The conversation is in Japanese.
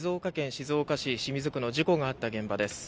静岡県清水市の事故があった現場です。